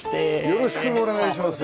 よろしくお願いします。